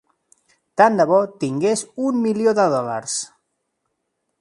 Tant de bo tingués un milió de dòlars.